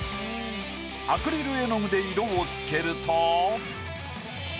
アクリル絵の具で色をつけると。